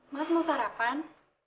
mas mau sarapan